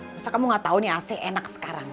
misalnya kamu gak tau nih ac enak sekarang